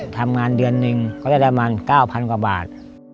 ทำงานเดือนนึงก็จะราบมา๙๐๐๐กว่าบาท